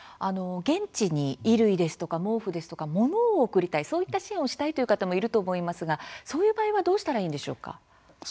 現地に衣類ですとか毛布ですとか物を送りたいそういった支援をしたいという方もいると思いますがそういう場合はどうしたらいいんでしょうか。